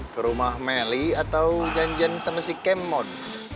ke rumah melly atau janjian sama si kemon